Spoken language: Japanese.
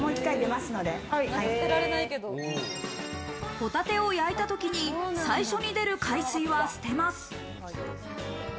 ホタテを焼いた時に最初に出る海水は捨てます。